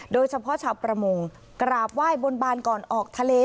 โดยเฉพาะชาวประมงกราบไหว้บนบานก่อนออกทะเล